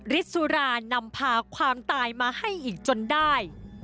สุรานำพาความตายมาให้อีกจนได้